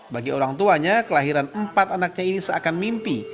bagi orang tuanya kelahiran empat anaknya ini seakan mimpi